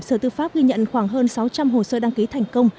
sở tư pháp ghi nhận khoảng hơn sáu trăm linh hồ sơ đăng ký thành công